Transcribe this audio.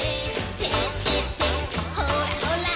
「ほらほら」